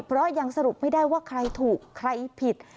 เพราะยังสรุปไม่ได้ว่าใครถูกใครผิด